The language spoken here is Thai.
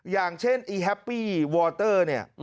อย่างเช่นอีแฮปปี้วอเตอร์เนี่ย